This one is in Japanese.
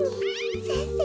先生